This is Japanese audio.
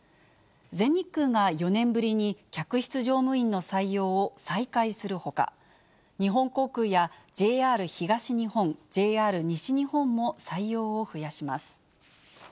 全日空が４年ぶりに客室乗務員の採用を再開するほか、日本航空やＪＲ東日本、ＪＲ西日本も採用を増やします。